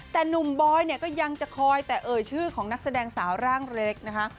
แต่หนุ่มบอยเนี่ยก็ยังจะคอยแต่เอ่ยชื่อของนักแสดงสาวร่างเล็กนะคะ